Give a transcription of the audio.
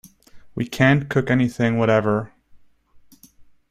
We can't cook anything whatever.